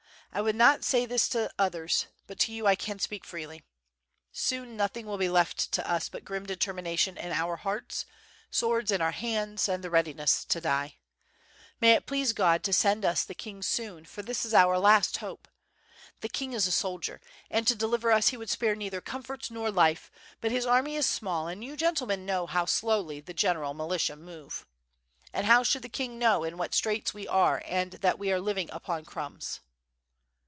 I would not say this to others, but to ^ou I can speak freely. Soon nothing will be left to us but grim determination in our hearts, swords in our hands, and the readiness to die. May it please God to send us the king soon, for this is our last hope. The king is a soldier, and to deliver us he would spare neither comfort nor life, but his army is small, and you gentlemen know how slowly the general militia move. And how should the king know in what straits we are and that we are living upon crumbs."